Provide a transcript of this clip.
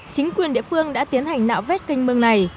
chính quyền địa phương đã tiến hành nạo vét kênh mương này